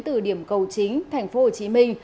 từ điểm cầu chính thành phố hồ chí minh